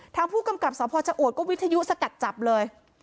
ทางผู้กำกับสพชะอวดก็วิทยุสกัดจับเลย